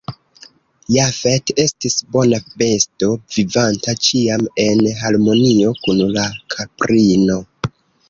Jafet estis bona besto, vivanta ĉiam en harmonio kun la kaprino.